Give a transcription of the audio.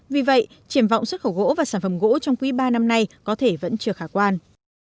vì vậy triển vọng xuất khẩu gỗ và sản phẩm gỗ trong quý ba năm nay có thể vẫn chưa khả quan